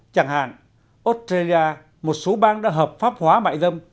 chẳng hạn australia một số bang đã hợp pháp hóa mại dâm